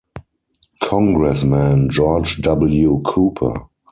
Congressman George W. Cooper.